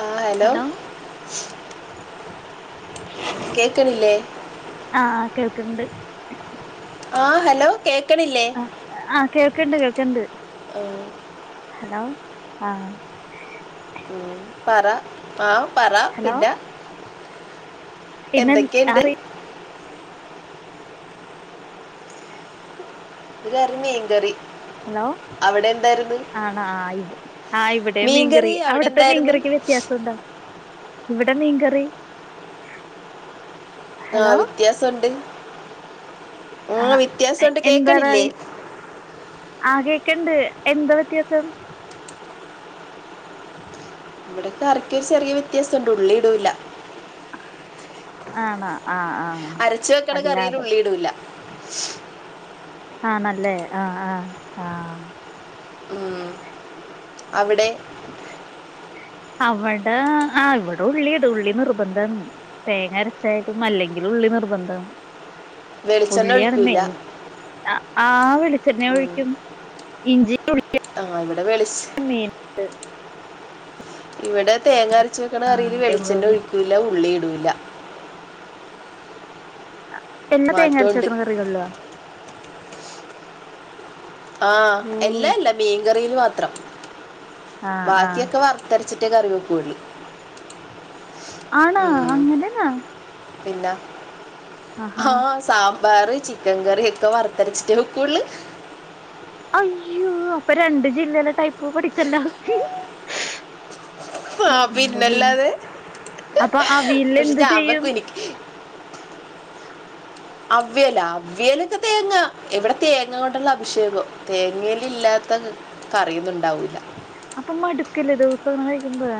ആ ഹലോ കേക്കണില്ലേ [unintelligible] ആ കേൾക്കണിണ്ട് ആ ഹലോ കേ ആ ആ കേൾക്കണ്ട് കേൾക്കണ്ട് [unintelligible] ഹലോ ആ ഉം പറ ആ പറ പിന്നാ [unintelligible] ആറി ഇന്ന് കറി മീൻകറി ഹലോ അവിടെ എന്തായിരുന്നു ആണാ ഇത് ആഹ് ഇവിടേം മീൻകറി അവിടെ അവിടത്തെ എന്തായിരുന്നു മീൻകറിക്ക് വ്യത്യാസുണ്ടാ ഇവിടെ മീൻകറി ആഹ് ഹലോ വ്യത്യാസൂണ്ട് ആഹ് എന്താ കേക്കണില്ലേ [unintelligible] ആകെ ണ്ട് എന്താ വ്യത്യാസം ഇവിടെ കറിക്ക് ഒരു ചെറിയ വ്യത്യാസുണ്ട് ഉള്ളി ഇടൂലാ ആണാ അരച്ചു വെക്കണ കറീൽ ഉള്ളിടൂലാ ആണല്ലേ ആ ആ ആ ഉം അവിടെ അവിടെ ആ ഇവിടെ ഉള്ളീടും ഉള്ളി നിർബന്ധാണ് തേങ്ങ അരച്ചായിട്ടും അല്ലെങ്കിലും ഉള്ളി നിർബന്ധം വെളിച്ചെണ്ണ ഉള്ളിയാണ് ഒഴിക്കൂല മെയിൻ ആ വെളിച്ചെണ്ണ ഒഴിക്കും ഇഞ്ചി ആണ് [unintelligible] ഇവിടെ തേങ്ങാ അരച്ച് വെക്കണ കറീല് വെളിച്ചെണ്ണ ഒഴിക്കൂല്ലാ ഉള്ളി ഇടൂലാ ഇല്ലാ [unintelligible] തേങ്ങ അരച്ച് വെക്കുന്ന കറിയൊള്ളോ ആ എല്ലാം അല്ലാ മീൻകറീൽ മാത്രം ആഹ് ആഹ് ബാക്കിയൊക്കെ വറുത്തരച്ചിട്ടാ ഒറ്റ കറിവെപ്പൂള്ളൂ ആണാ അങ്ങനേണാ പിന്ന ആ സാ [unintelligible] ചിക്കൻ കറി ഒക്കെ വറത്തരച്ചിട്ടേ വെക്കോളൂ അയ്യോ അപ്പൊ രണ്ട് ജില്ലയിലെ ടൈപ്പ് പഠിച്ചല്ലാ ആ പിന്നല്ലാതെ അപ്പൊ അവിയലിന് പക്ഷെ എന്ത് ഞാൻ ചെയ്യും വെക്കും എനിക്ക് അവിയലാ അവിയലൊക്കെ തേങ്ങ എവിടെ തേങ്ങ കൊണ്ടുള്ള അഭിഷേകോ തേങ്ങേല് ഇല്ലാത്ത കറിയൊന്നുണ്ടാവൂലാ മടുക്കല്ലത് ദൂസങ്ങനെ തിന്നോ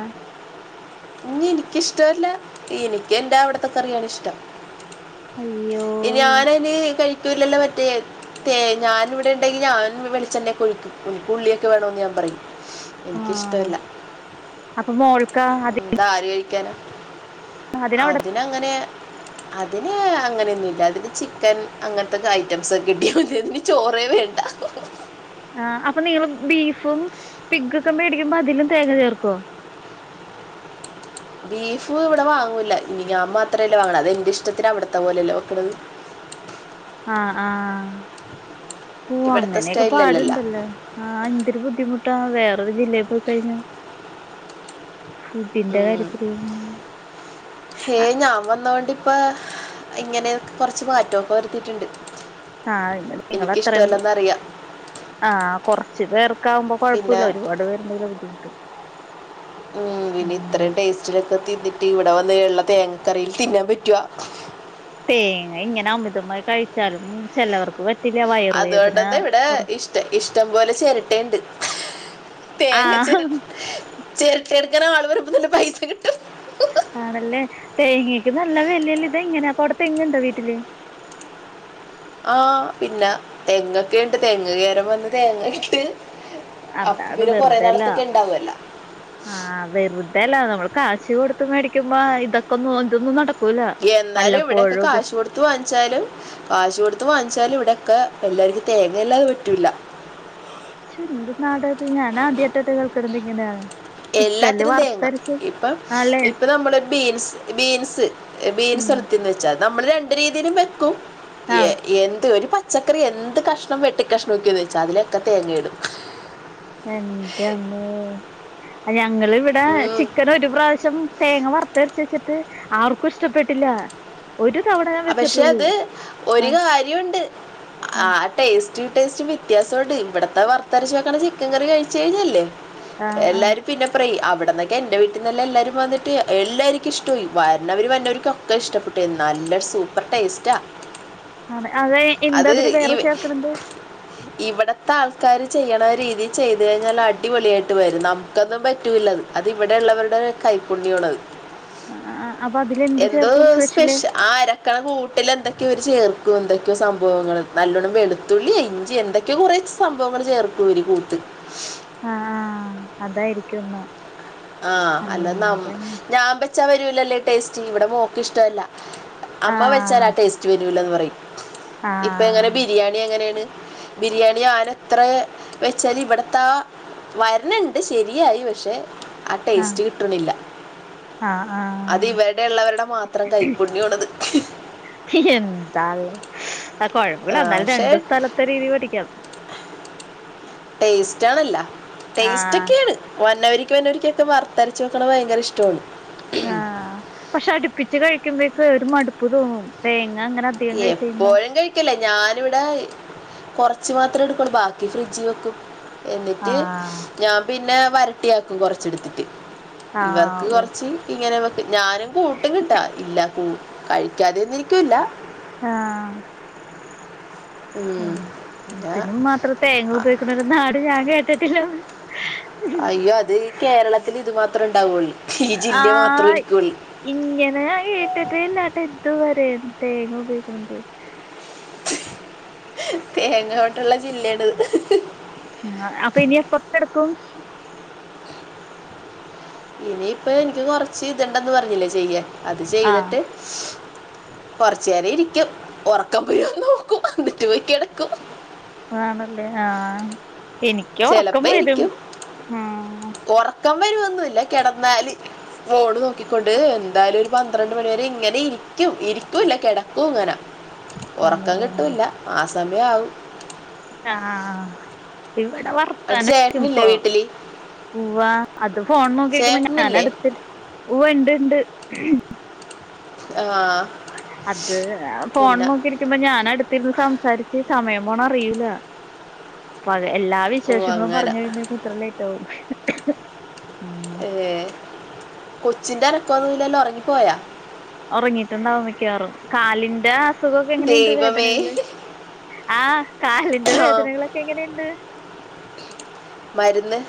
ഈ ഇനിക്കിഷ്ടോല്ല എനിക്കെന്റെ അവ്ടത്തെ കറിയാണിഷ്ടം അയ്യോ ഞാനന് കൽ [unintelligible] ല്ലല്ലേ മറ്റേ തേങ്ങ ഞാനിവിടെണ്ടെങ്കിൽ ഞാൻ വെളിച്ചണ്ണക്കൊഴിക്കും ഇൻകുള്ളിക്കെ വേണോന്ന് ഞാപറയും എനിക്കിഷ്ടല്ല ക്കാ അതെ അതിനങ്ങനെ അതിന് അങ്ങനെയൊന്നുല്ല അതിന് ചിക്കൻ അങ്ങൻത്തൊക്കെ ഐറ്റംസൊക്കെ കിട്ടിയാമതി അതിന്ചോറേവേണ്ട ആ അപ്പൊ നീള് ബീഫും പിഗൊക്കെ മേടിക്കുമ്പോ അതിലും തേങ്ങചേർക്കോ ബീഫ്വ്ടെ വാങ്ങൂല്ല ഞ് ഞാമാത്രല്ലേവാങ്ങ്ണ് അതെന്റെഷ്ടത്തിന് അവിടത്തെ പോലല്ലേ വെക്ക്ണത് ആ ആ ഓ ഇവിടുത്തെ സ്റ്റൈലിലല്ലല്ല അങ്ങനെയൊക്കെപാടുണ്ടല്ലേ ആ ന്തൊരു ബുദ്ധിമുട്ടാ വേറൊരു ജില്ലേക് കൈഞ്ഞ ഉം ഹേ ഞാവന്നോണ്ട്പ്പ ഇങ്ങനെ കൊറച്ച് മാറ്റൊക്കെ വരുത്തീട്ടുണ്ട് ആ [unintelligible] നിങ്ങത്രയും ആ കൊറച്ച് പേർക്കാകുമ്പോ പിന്നെ കൊഴപ്പല്ല ഒരുപാട് പേര്ണ്ടെങ്കിലാ ബുദ്ധിമുട്ട് ഉം പിന്നെ ഉം ഇത്രയുംടേസ്റ്റില് ക്കെ തിന്നിട്ട് ഇവിടെ വന്ന്ള്ള ല്ല തേങ്ങക്കറിയിൽ തിന്നാൻ പറ്റുവാ തേങ്ങ ഇങ്ങനെ അമിതമായി കഴിച്ചാലും ചെലവർക്ക് പറ്റ് അതോണ്ടെന്താ ഇവിടെ ഇഷ്ടം ഇഷ്ടംപോലെ ചെരട്ടേണ്ട്. തേങ്ങ പെര ആഹ് ചെരട്ടയെട്ക്കാനാള് വരുമ്പ നല്ല പൈസ കിട്ടും. ആണല്ലേ തേങ്ങക്ക് നല്ല വെലല്ലേ ഇതങ്ങനെ അപ്പവ്ടെ തെങ്ങുണ്ടോ വീട്ടില്? ആഹ് പിന്നാ തെങ്ങൊക്കെയ്ണ്ട് തെങ്ങ് കേരാൻ വന്ന് തേങ്ങയിട്ട് അതാണ് വെറ്തേലാ. ഉണ്ടാവുമല്ല ആഹ് വെറുതെല്ല നമ്മള് കാശ് കൊടുത്ത് മേടിക്കുമ്പോ ഇതൊക്കൊന്ന് ഒതുങ്ങും നട എന്നാലും ഇവിടെക്കെ കാശ് കൊടുത്ത് വാങ്ങിച്ചാലും കാശ് കൊടുത്ത് വാങ്ങി ച്ചാലും ഇവിടക്കെ എല്ലാര്ക്കും തേങ്ങല്ലാതെ പറ്റൂല. തെന്ത് നാടാത് ഞാനാദ്യായ്ട്ടാട്ടൊ കേൾക്ക്ണത്ങ്ങനെ എല്ലാത്തിനും തേങ്ങ ഇപ്പൊ ആല്ലേ ഇപ്പ നമ്മള് ബീൻ സ് ബീൻസ് എ ബീൻസ് ഉം [unintelligible] ച്ചാ നമ്മള് രണ്ട് രീതിലും വെക്കും ആഹ് എഹ് എന്ത് ഒരുപ ച്ചക്കറി എന്ത് കഷ്ണം വെട്ടി കഷ്ണംനുകേത് വെച്ചാലതിലെക്കെ തേങ്ങയിടും എന്റമ്മോ അയ ങ്ങളിവിടെ ഉം, ചിക്കൻ ഒരു പ്രാശം തേങ്ങ വർ ത്തരച്ച് വെച്ചിട്ട് ആർക്കും ഇഷ്ടപ്പെട്ടില്ലാ പക്ഷെ ത് ആഹ് ഒരുകാര്യോണ്ട് ആ ആഹ് ടേസ്- റ്റ് ടേസ്റ്റ് വ്യത്യാസൊണ്ട് ഇവിടത്തെ വർത്തരച്ചു വെക്ക്ണ ചിക്കൻ കറി കഴിച്ചയിഞ്ഞാല്ലേ ആഹ് ആഹ് എല്ലാരും പിന്നെ പ്റൈ അ- ഇവിടന്നെക്കെ എന്റെ വീട്ടിന്നല്ലല്ലാരും വന്നിട്ട് എല്ലാരിക്കിഷ്ടായി വര്ണവര് വർണവർക്കൊക്കെഷ്ടപ്പെട്ടു നല്ലസ് സൂപ്പർ ടേസ്റ്റാ അതേ അത് എന്താതില് ഈ വേറെ ചേർക്കണത് ഇവിടത്തെ ആൾക്കാര് ചെയ്യ്ണെ രീതി ചെയ്ത് കഴിഞ്ഞാല് അടിപൊളിയായിട്ട് വരും നമുക്കൊന്നും പറ്റൂലത് അത് ഇവിടെള്ളവർടെ കൈപ്പുണ്യണത് ആഹ് ആഹ് അപ്പൊ അതിലെന്ത് എന്തോ ചേർക്കും സ്പെഷ്യല് സ്പെഷ്യ ആ അരക്കാണ കൂട്ടിലെന്തെ ക്യൊ ര് ചേർക്കും എന്തൊക്കെയോ സംബവങ്ങള് നല്ലോണ്ണം [unintelligible] ത്തുള്ളിയെ ഇഞ്ചി എന്തൊക്കെയെ കൊറേ സംബവങ്ങള് ചേർക്കുര് കൂട്ട് ആഹ് അഹ് അതായിരിക്കുംന്നാ ആഹ് അല്ല നം ഞാൻ വെച്ചാ വരൂലല്ല ഈ ടേസ്റ്റ് ഇവിടെ മോക്കിഷ്ടവല്ല. അമ്മ വെച്ചാലാ ആഹ് ആ ടേസ്റ്റ് വരൂല്ലന്ന് പറയും. ഇപ്പ എങ്ങനെ ആഹ് ബിരിയാണി എങ്ങനേണ്? ബിരിയാണി ഞാനത്ര വെച്ചാല് ഇവിടത്താ വരണണ്ട് ശരിയായി പക്ഷെ ആ ആഹ് ടേസ്റ്റ് കിട്ടണില്ല ആഹ് ആഹ് അത് ഇവരുടെയെള്ളവരുടെ മാത്രം കൈപ്പുണ്യോണത്. ആ കുഴപ്പമില്ല എന്നാലും പക്ഷെ രണ്ടു സ്ഥലത്തെ രീതി പഠിക്കാം. ട്ടെസ്റ്റ് ആണല്ലോ ട്ടെസ്റ്റ് ആഹ് ഒക്കെയാണ് വന്നവരി വരിക്കൊക്കെ വർത്തരച്ച് വെക്കണ ഭയങ്കര ഇഷ്ടമാണ്. ആഹ് പക്ഷെ അടുപ്പിച്ച് കഴിക്കുമ്പോയെക്ക് ഒരു മടുപ്പ് തോന്നും തേ എപ്പോഴും കഴിക്കില്ല ഞാനിവിടെ കൊർ കൊറച്ച് മാത്രം എടുക്കൂ ബാക്കി ഫ്രിഡ്ജീ വെക്കും എന്നിട്ട് ആഹ് ഞാൻ പിന്നെ വര വൃത്തിയാക്കും കൊറച്ചെടുത്തിട്ട് ആഹ് ഇവർക്ക് ഓ കൊറച്ച് ഇങ്ങനെ വെ ഞാനും കൂട്ടും കിട്ടാ ഇല്ല കഴിക്കാതെന്നും ഇരിക്കില്ല. ആഹ് ഉ പിന്നെ ഇതിനും മാത്രം തേങ്ങ ഉപയോഗിക്കുന്ന ഒരു നാട് ഞാൻ കേട്ടത്തില്ല അയ്യോ അത് ഈ കേരളത്തിൽ ഇതുമാ ആഹ ഇരിക്കുള്ളൂ ഇങ്ങനെ കേട്ടിട്ട് ഇല്ലാട്ട ഇതുവരെയും തേങ്ങ ഉപയോഗിക്ക്ണത് തേങ്ങോവെട്ടുള്ള ജില്ലയാണ്ത് ആ അപ്പൊ ഇനി എപ്പോ കെടക്കും? ഇനിയിപ്പ എനിക്ക് കൊറച്ച് ഇത്ണ്ടന്ന് പറഞ്ഞില്ലേ ചെയ്യാൻ അത് ആഹ് ചെയ്തിട്ട് കൊറച്ചു നേരം ഇരിക്കും ഉറക്കം പോഴന്ന് നോക്കും എന്നിട്ട് പോയിക്കിടക്കും അതാണല്ലേ ആഹ് എനിക്ക് ഉറക്കം ചിലപ്പോൾ വരും ഇരിക്കും ഉം ഉറക്കം വരൊന്നില്ല കെടന്നാല് ഫോൺ നോക്കിക്കൊണ്ട് എന്തായാലും പന്ത്രണ്ട് മണിവരെ ഇങ്ങനെ ഇരിക്കും ഇരിക്കൂല കെടക്കും ഇങ്ങനെ ഒറക്കം ആണല്ലേ കിട്ടൂല്ല ആ സമയാവും ആഹ് ഇവിടെ അത് ചേട്ടനില്ലേ വർത്താനപ്പോ വീട്ടിൽ ഉവ്വാ അത് ഫോൺ നോക്കിരിക്കുമ്പോ ഞാൻ ചേട്ടനില്ലേ അടുത്തി ഉവ്വ ഇണ്ട് ഇണ്ട് ഉം ആ അത് ഫോൺ പിന്നെ നോക്കിയിരിക്കുമ്പോ ഞാൻ അടുത്തിരുന്ന് സംസാരിച്ച് സമയം പോണ അറിയൂല പഴ എല്ലാ ഓ വിശേഷങ്ങളും അങ്ങനെ പറഞ്ഞു കഴിഞെക്കുമ്പോ ലേറ്റാവും ഏ, പോയാ ഉറങ്ങിയിട്ടുണ്ടാവും മിക്കാറും കാലിന്റെ അസുഖമൊക്കെ എങ്ങനെയുണ്ട് ദൈവമേ വേദനകൽ ആഹ കാലിന്റെ ആ, വേദനകളൊക്കെ എങ്ങനെയുണ്ട്? മരുന്ന്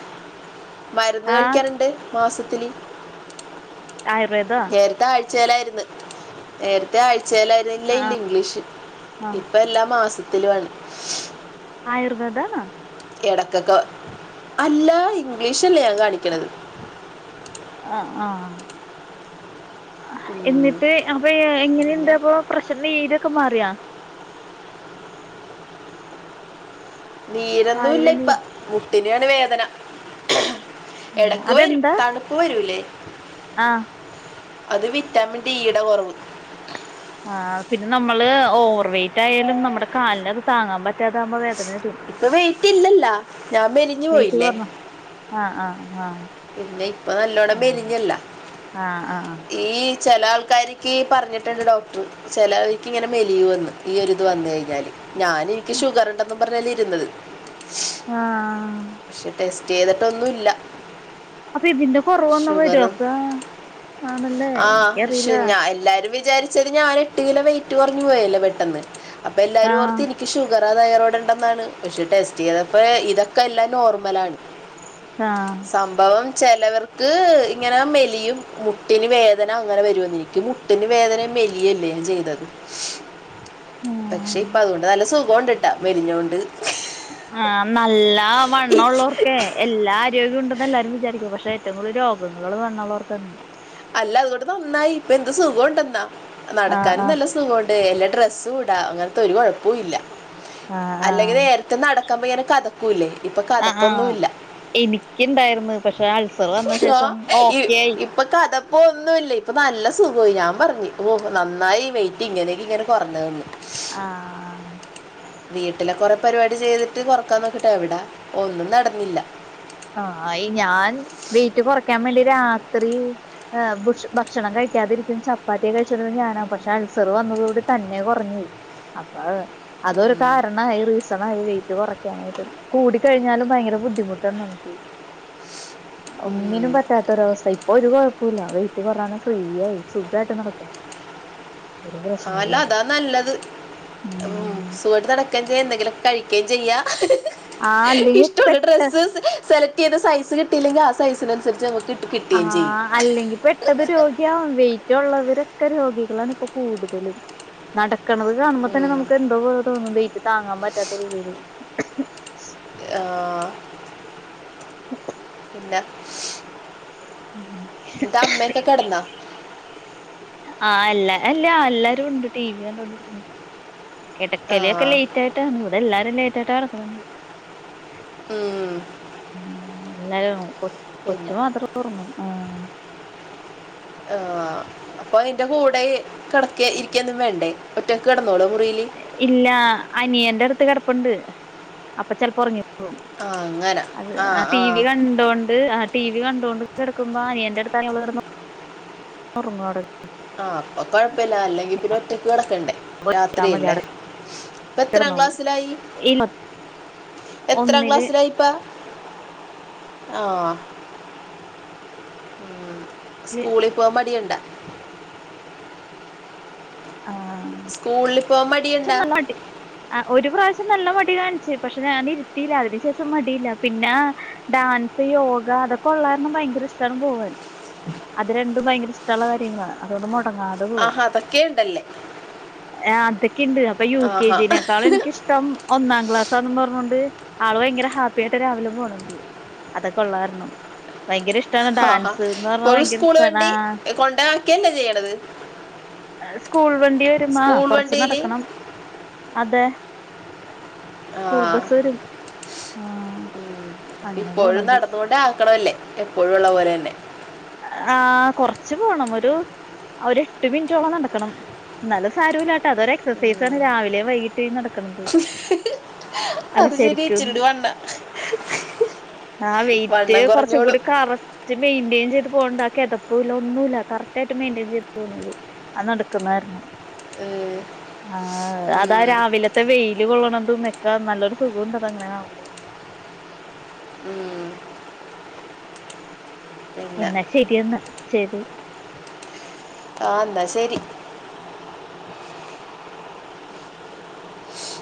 മരുന്ന് ആഹ് കഴിക്കാനുണ്ട് മാസത്തില് ആയുർവേദാ ആഴ്ചയിലാരുന്നു നേരത്തെ ആഴ്ചയിലായിരുന്നില്ല ഇല്ല ഇല്ല ഇംഗ്ലീഷ് ആഹ് ഇപ്പ എല്ലാ മാസ തിലുവാണ് ആയുർവേദാണോ ഇടക്കൊക്കെ അല്ല ഇംഗ്ലീഷ്ല്ലേ ഞാൻ കാണിക്കണത്. ആഹ എന്നിട്ട് അപ്പൊ എങ്ങനെണ്ട് പ്രശ്നം ഏതൊക്കെ മാറിയാ നീരൊന്നുല്ല കാലിലെ നീര് ഇപ്പ മുട്ടിനാണ് വേദന എടക്ക് വരും അതെന്താ തണുപ്പ് വരൂലേ ആഹ് അത് വിറ്റാമിൻ ഡിയുടെ കുറവ്. ആ പിന്നെ നമ്മള് ഓവർ വെയറ്റ് ആയാലും നമ്മുടെ കാലിന് അത് താങ്ങാൻ പറ്റ ഇപ്പൊ വെയ്റ്റ് ഇല്ലല്ലാ ഞാൻ മെലിഞ്ഞു പോയില്ലേ ആഹ ആഹ ആഹ് പിന്നെ ഇപ്പൊ നല്ലോണം ആഹ് മെലിഞ്ഞല്ല ആഹ് ആഹ് ഈ ചില ആൾക്ക ക്കാരിക്ക് പറഞ്ഞിട്ട്ണ്ട് ഡോക്ടർ ചെലവര്ക്ക്ിങ്ങനെ മെലിയുവെന്ന് ഈയൊരിത് വന്ന് കയിഞ്ഞാല് ഞാൻ ഈക്ക് ഷുഗർണ്ടെന്നും പറഞ്ഞല് ഇരുന്നത് ആഹ് അഹ് അഹ് ക്ഷെ ടെസ്റ്റെയ്തിട്ടൊന്നുവില്ല അപ്പൊ ഇതിന്റെ കൊറവൊന്നു വര്ഒപ്പ ആഹ് ഷുഞ എല്ലാരും വിചാര് ചരി ഞാൻ എട്ട് കിലോ വെയിറ്റ് കൊറഞ് പോയല്ലോ പെട്ടന്ന് അപ്പൊ എല്ലാരും ആഹ് ഓർത്ത് എനിക്ക് ഷുഗർറ തയറോട പെട്ടെന്നാണ് പക്ഷെ ടേസ്റ്റ് ചെയ്തപ്പ ഇതൊക്കെ എല്ലാം നോർമലാണ് ആഹ് ചെലവർക്ക് ഇങ്ങനെ മെലിയും മുട്ടിന് വേദന അങ്ങനെ വരുമെന്ന് എനിക്ക് മുട്ടിന് വേദന മേലിയ അല്ലേ ചെയ്തത് പക്ഷെ ആഹ് ഇപ്പ അതുകൊണ്ട് നല്ല സുഖോണ്ടിട്ടാ മെലിഞ്ഞൊണ്ട് ആഹ് നല്ല ആഹ് ഇക്ക് വണ്ണോള്ളോർക്കെ എല്ലാ ആരോഗ്യം ഉണ്ടെന്ന് എല്ലാവരും വിചാരിക്കും പക്ഷെ ഏറ്റവും കൂടുതൽ രോഗ പെണ്ണ് ങ്ങൾ വണ്ണോള്ളോർക്ക്ന്നെ അല്ല അതുകൊണ്ട് നന്നായി ഇപ്പ എന്ത് സുഖംണ്ടെന്നാ ആഹ് നടക്കാനും ആഹ് നല്ല സുഖമുണ്ട് ല്ല ഡ്രസുംട അങ്ങനത്തെ ഒരു കുഴപ്പോല്ല ആഹ് അല്ലെങ്കിൽ ആഹ് നേരതേ നട [unintelligible] എനക്കതക്കൂല്ലേ ആ ആഹ് എനിക്ക് ഇണ്ടായിരുന്നു പക്ഷെത്സം വന്ന ശേഷം ഓക്കെയായി അതിപ്പോ ഒന്നുമില്ല ഇപ്പൊ നല്ല സുഖമായി ഞാൻ പറഞ്ഞു ഓ നന്നായി വെയിറ്റ് ഇങ്ങനെയക്ക ഇങ്ങനെ കൊറഞ്ഞതെന്ന് ആഹ വീട്ടിലെ കൊറെ പരിപാടി ചെയ്തിട്ട് കൊറക്കാൻ നോക്കിട്ടെ എവിടാ ഒന്നും നടന്നില്ല ആഹ ഞാൻ വീട്ട കുറക്കാൻ വേണ്ടി രാത്രി ഭക്ഷണം കഴ കിക്കാതിരിക്കും ചപ്പാത്തിയെ കഴിച്ചി ഞാനാ പക്ഷെ അൾസർ വന്നത കൂടി തന്നെ കുറഞ്ഞ അപ്പ അതൊരു കാരണ വെയിറ്റ് കുറയ്ക്കാനായിട്ട് കൂട കഴിഞ്ഞാലും ഭയങ്കര ബുദ്ധിമുട്ടുണ്ട് നമുക്ക് ഒങ്ങിനും പറ്റാത്തൊരവസ്ഥ ഒരു കൊഴപ്പമില്ല വെയിറ്റ് പറാന ഫ്രീയയി സുഖായിട്ട് നടക്കാ ആല്ലോ അതാ നല്ലത് ഉ ഉം സുവട്ട് നടക്കാൻ ചെയ്യൻ എന്തെങ്കിലൊക്ക കഴ ചെയ ആഹ് അല്ലെങ്കി ഇഷ്ടുള്ള ഡ്ര പെട്ട സെലക്ട് ചെയ്ത സൈസ് കിട്ടില്ലെങ്കിൽ ആ സസ ആ അല്ലെങ്കി പെട്ടത് രോഗിയ ആവാം വെയിറ്റ് ഉള്ളവരൊക്കെ രോഗി ഇപ്പൊ കൂടുതൽ നട കിണത് കാണുമ്പോ തന്നെ നമുക്ക് എന്തോ പോ തോന്നും വെയിറ്റ് താങ്ങാൻ പറ്റാത്ത രീതിയിയില് ആഹ പിന്നെ ദമക്കെ െകടന ആഹ് എല്ലാ അല്ല എല്ലാരും ഉണ്ട് ടി വി കണ്ടി കിടക്കല ഒക്കെ ലേറ്റ്ായിട്ട ഇവിടെ എല്ലാരും ല ട്ടാട കടമ്പ ഉം എല്ല കൊ കൊച്ചു മാത്രം ഓർന്നും ആ ആ അപ്പൊ അതിന്റെ കൂടെ കിടക്ക ഇരിക്കന്നും വേണ്ടേ ഒറ്റ കട ഇല്ല അനിയന്റെ അടുത്ത് കിറപ്പുണ്ട് അപ്പൊ ചിലപ്പോ ഉറങ്ങി അത് ആ ടി വി കണ്ടോണ്ട് ആ ടി വി കണ്ട ണ്ട് കിടക്കുമ്പന അനിയൻ്റെ അടുത്ത കിടന്ന് ഉറങ്ങാട് ആഹ അപ്പൊ കൊഴപ്പില്ല അല്ലെങ്കി പിന്നെ ഒറ്റക്ക് കിടക്കണ്ടേ കിട്ടാ മതി രാത്രിയല്ലേ അവിടെ എത്രാം ക്ലാസ്സിലായി ഈ എത്രാം ഒന്നില് ക്ലാസ്സിലായിപ്പ ആ ഉ സ്കൂളിൽ പോകൻ പടിയുണ്ട ആഹ സ്കൂളിൽ പോകാൻ മടിയുണ്ട നല്ല മടി ആ ഒരു പ്രാവശ്യം നല്ല മടി കാണ പക്ഷെ ഞാൻ ഇരുത്തിയില്ല അതിനന് ശേഷം മതിയില്ല പിന്നെ ഡാൻസ് യോഗ അതൊക്കെ ഉള്ളാരരണം ഭയങ്കര ഇഷ്ടമാണ് പോവാൻ അത് രണ്ടും ഭയങ്കര ഇഷ്ടമുള്ള കാര്യങ്ങളാണ് അതുകൊണ്ട് മുടങ്ങാതെ പോകും ണ്ടല്ലേ അതൊക്കെയുണ്ട് അപ്പൊ യു കെ ജീേക്കാളും എനിക്ക ഇഷ്ടം ഒന്നാം ക്ലാസാണന്ന് പറഞ്ഞോണ്ട് ആള ഭയങ്കര ഹാപ്പി ആായിട്ട് രാവിലും പോകണം അതൊക്കെ ഉള്ളാരണം ഭയങ്കര ഇഷ്ടാണ് ആഹാ ഡാൻസ് എന്ന് പറഞ്ഞാ ഇപ്പോഴും ഭയങ്കര സ്കൂൾ ഇഷ്ടാണ് വണ്ടി ആ കൊണ്ടാക്കിയല്ലേ ചെയ്യണത് സ്കൂൾ വണ്ടി വരുമ സ്കൂൾ കൊറച്ച് വണ്ടിയിൽ നടക്കണം അതെ ആ സ്കൂൾ ബസ് വരും ആഹ ഇപ്പോഴും നടന്നുകൊണ്ടേ ആക്കണല്ലേ എപ്പോഴും ഉള്ള പോലെ തന്നെ ആഹ കൊറച്ചു പോണം ഒരു അവര് എട്ട് മിനിറ്റോളം നടക്കണം ന്നാലും സാരമില്ല അതൊരു എക്സസൈസ ആണ് രാവിലെ വൈകീട്ട് നടക്കണുന്നത് അല്ല അത് ശരി ശരിക്കും ഇച്ചിരി വണ്ണ ഓ ആ വെയിറ്റ് വണ്ണം കുറച്ച കുറഞ്ഞോളൂ കൂടി കററ്റ് മെയിൻ്റേജ് ചെയ്ത് പോകണ്ട ആ കെതപ്പ് ഒന്നുമല്ല കറക്റ്റ് ആായിട്ട് മെയിൻ്റേജ് ചെയ്ത് തോന്നത് അത് നടക്കുന്നതായിരുന്നു ഉം, ആ അതാ ഉം, രാവിലത്തെ വെയില് കൊള്ളണംതു നല്ലൊരു സുഖണ്ട്അങ്ങനെ ആവുമ്പോ ഉം പിന്നെ എന്നാ ശരിയന്ന് ചെയ്ത് ആന്താ ശരി